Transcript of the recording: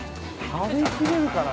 食べきれるかな。